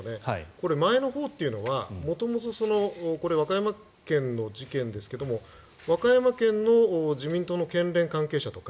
これ、前のほうというのは元々、和歌山県の事件ですが和歌山県の自民党の県連関係者とか。